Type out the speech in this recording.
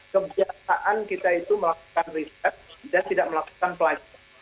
kebiasaan kita itu melakukan riset dan tidak melakukan pelajaran